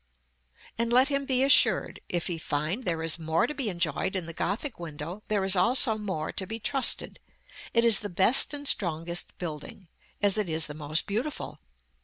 And let him be assured, if he find there is more to be enjoyed in the Gothic window, there is also more to be trusted. It is the best and strongest building, as it is the most beautiful.